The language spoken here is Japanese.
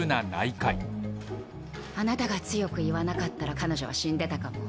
あなたが強く言わなかったら彼女は死んでたかも。